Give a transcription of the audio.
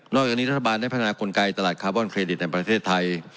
จากนี้รัฐบาลได้พัฒนากลไกตลาดคาร์บอนเครดิตในประเทศไทย